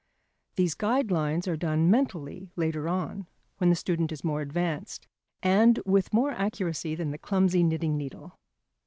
These guide lines are done mentally later on, when the student is more advanced, and with more accuracy than the clumsy knitting needle.